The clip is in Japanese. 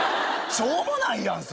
しょうもないやん。